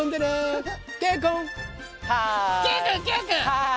はい！